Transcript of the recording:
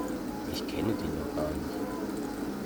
Ich kenne den doch gar nicht!